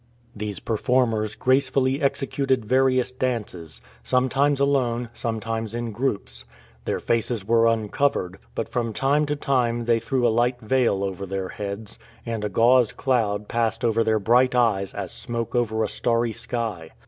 These performers gracefully executed various dances, sometimes alone, sometimes in groups. Their faces were uncovered, but from time to time they threw a light veil over their heads, and a gauze cloud passed over their bright eyes as smoke over a starry sky.